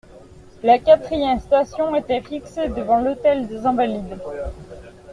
La quatrième station était fixée devant l'hôtel des Invalides.